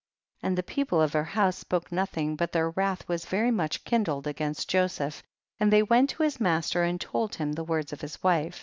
60. And the people of her house spoke nothing, but their wrath was very much kindled against Joseph, and they went to his master and told him the words of his wife.